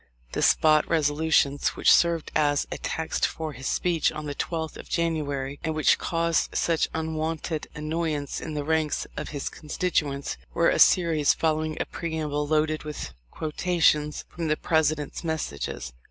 The "Spot Resolutions," which served as a text for his speech on the 12th of January, and which caused such unwonted annoy ance in the ranks of his constituents, were a series following a preamble loaded with quotations from the President's messages.